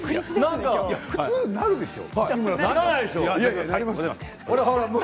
普通なるでしょう？